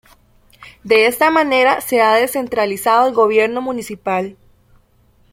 De esta manera se ha descentralizado el gobierno municipal.